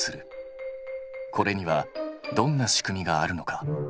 これにはどんな仕組みがあるのか？